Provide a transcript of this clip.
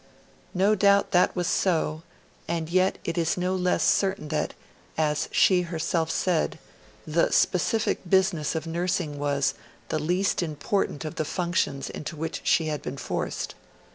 No doubt that was so; and yet it is no less certain that, as she herself said, the specific business of nursing was 'the least important of the functions into which she had been forced'.